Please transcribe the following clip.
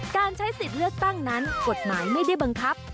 การใช้สิทธิ์เลือกตั้งนั้นกฎหมายไม่ได้บังคับ